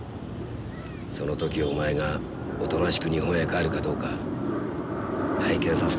その時お前がおとなしく日本へ帰るかどうか拝見させてもらうよ。